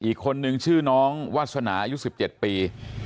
อีกคนนึงชื่อน้องวาสนาอายุ๑๗ปี